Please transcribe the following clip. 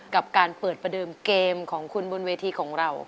กับการเปิดประเดิมเกมของคุณบนเวทีของเรา